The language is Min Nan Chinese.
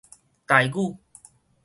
台語